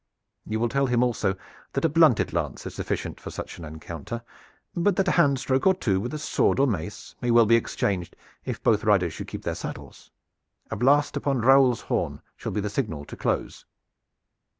You will tell him also that a blunted lance is sufficient for such an encounter, but that a hand stroke or two with sword or mace may well be exchanged, if both riders should keep their saddles. A blast upon Raoul's horn shall be the signal to close."